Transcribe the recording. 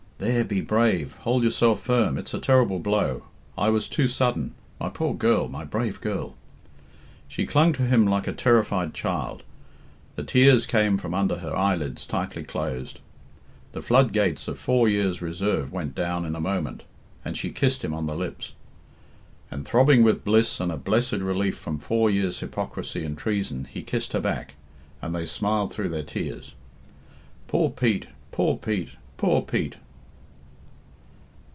"There! be brave! Hold yourself firm. It's a terrible blow. I was too sudden. My poor girl. My brave girl!" She clung to him like a terrified child; the tears came from under her eyelids tightly closed; the flood gates of four years' reserve went down in a moment, and she kissed him on the lips. And, throbbing with bliss and a blessed relief from four years hypocrisy and treason, he kissed her back, and they smiled through their tears. Poor Pete! Poor Pete! Poor Pete!